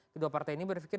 kedua partai ini berfikir